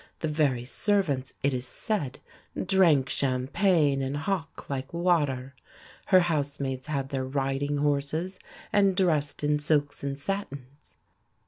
The very servants, it is said, drank champagne and hock like water; her housemaids had their riding horses, and dressed in silks and satins.